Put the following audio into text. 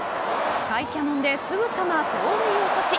甲斐キャノンですぐさま盗塁を阻止。